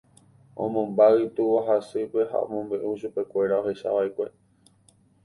Omombáy túva ha sýpe ha omombe'u chupekuéra ohechava'ekue.